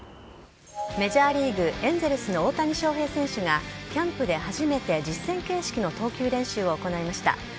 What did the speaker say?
メジャーリーグエンゼルスの大谷翔平選手がキャンプで初めて実戦形式の投球練習を行いました。